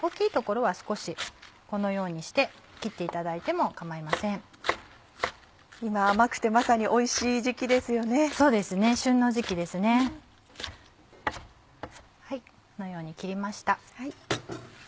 はいこのように切りました。